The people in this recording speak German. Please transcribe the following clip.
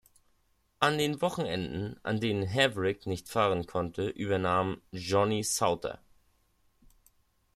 An den Wochenenden, an denen Harvick nicht fahren konnte, übernahm Johnny Sauter.